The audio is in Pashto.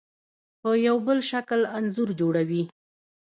په یو بل شکل انځور جوړوي.